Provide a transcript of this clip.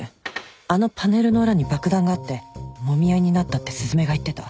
あのパネルの裏に爆弾があってもみ合いになったって雀が言ってた